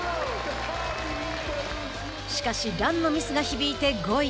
しかし、ランのミスが響いて５位。